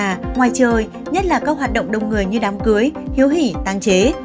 ngoài trời nhất là các hoạt động đông người như đám cưới hiếu hỉ tăng chế